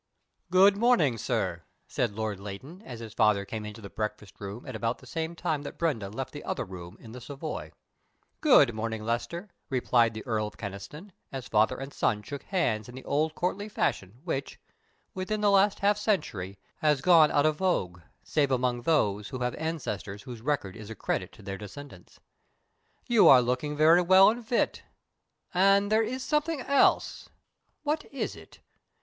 "Good morning, sir," said Lord Leighton, as his father came into the breakfast room at about the same time that Brenda left the other room in the Savoy. "Good morning, Lester," replied the Earl of Kyneston, as father and son shook hands in the old courtly fashion which, within the last half century, has gone out of vogue save among those who have ancestors whose record is a credit to their descendants. "You are looking very well and fit and there is something else. What is it?